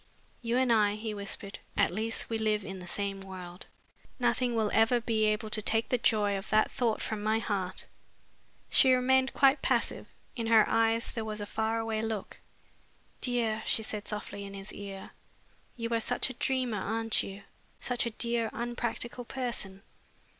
"You and I," he whispered, "at least we live in the same world. Nothing will ever be able to take the joy of that thought from my heart." She remained quite passive. In her eyes there was a far away look. "Dear," she said softly in his ear, "you are such a dreamer, aren't you such a dear unpractical person?